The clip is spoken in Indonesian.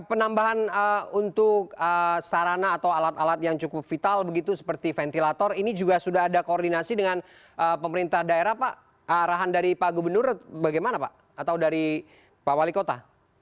penambahan untuk sarana atau alat alat yang cukup vital begitu seperti ventilator ini juga sudah ada koordinasi dengan pemerintah daerah pak arahan dari pak gubernur bagaimana pak atau dari pak wali kota